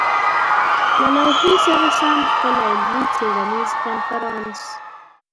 له لايحې سره سم خپل علمي-څېړنيز کنفرانس